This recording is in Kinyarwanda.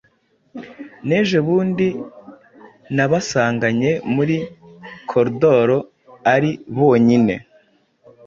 nejobundi nabasanganye muri cordor ari bonyine